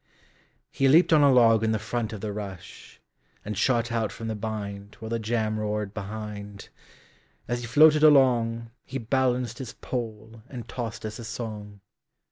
He leaped on a log in the front of the rush, And shot out from the bindWhile the jam roared behind; As he floated alongHe balanced his poleAnd tossed us a song.